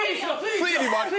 推理もある！